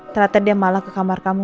ternyata dia malah ke kamar kamu